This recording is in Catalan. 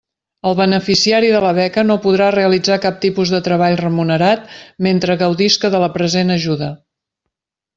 El beneficiari de la beca no podrà realitzar cap tipus de treball remunerat mentre gaudisca de la present ajuda.